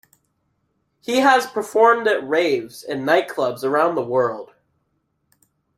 He has performed at raves and nightclubs around the world.